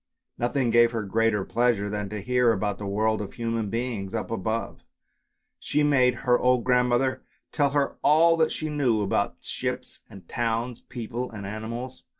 Nothing gave her greater pleasure than to hear about the world of human beings up above; she made her old grand mother tell her all that she knew about ships and towns, people and animals.